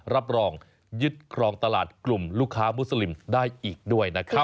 รับรองยึดครองตลาดกลุ่มลูกค้ามุสลิมได้อีกด้วยนะครับ